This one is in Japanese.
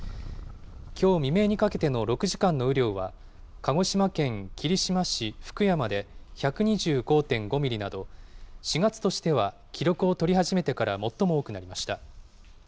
きょう未明にかけての６時間の雨量は、鹿児島県霧島市福山で１２５．５ミリなど、４月としては記録を取り始めてから最も多くなりました。